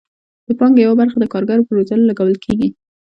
د پانګې یوه برخه د کارګرو په روزلو لګول کیږي.